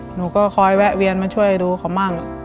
หนูก็คอยแวะเวียนมาช่วยดูเขามั่ง